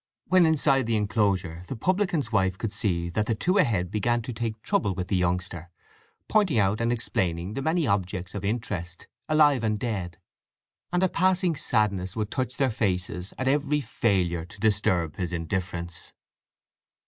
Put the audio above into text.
When inside the enclosure the publican's wife could see that the two ahead began to take trouble with the youngster, pointing out and explaining the many objects of interest, alive and dead; and a passing sadness would touch their faces at their every failure to disturb his indifference.